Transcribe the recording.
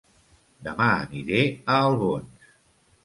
Dema aniré a Albons